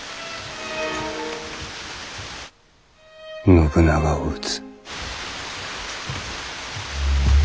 信長を討つ。